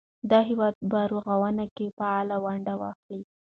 د هېواد په بیا رغونه کې فعاله ونډه واخلئ.